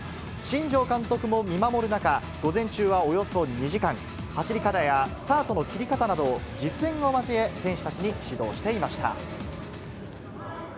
新庄監督も見守る中、午前中はおよそ２時間、走り方やスタートの切り方などを、実演を交え、選手たちに指導していました。